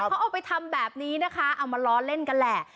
เขาเอาไปทำแบบนี้นะคะเอามาล้อเล่นกันแหละ